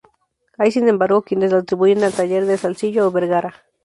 Hay sin embargo, quienes la atribuyen al taller de Salzillo o Vergara.